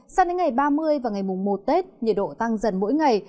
sau đến ngày ba mươi và ngày một tết nhiệt độ tăng dần mỗi ngày